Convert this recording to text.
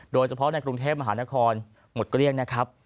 โดยเฉพาะในกรุงเทพมหานครหมดเกลี้ยงนะครับ